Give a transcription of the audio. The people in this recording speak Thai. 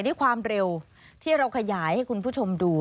ด้วยความเร็วที่เราขยายให้คุณผู้ชมดู